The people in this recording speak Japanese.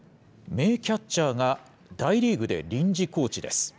名キャッチャーが、大リーグで臨時コーチです。